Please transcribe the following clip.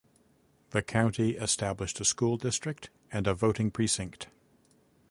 The county established a school district and a voting precinct.